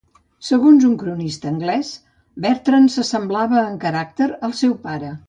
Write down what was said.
Segons un cronista anglès, Bertran s'assemblava en caràcter al seu pare.